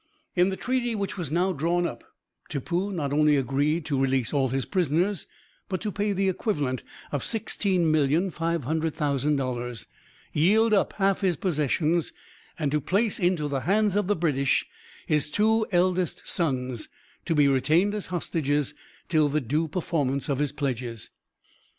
In the treaty which was now drawn up Tippoo not only agreed to release all his prisoners, but to pay the equivalent of $16,500,000, yield up half his possessions, and to place in the hands of the British his two eldest sons, to be retained as hostages till the due performance of his pledges.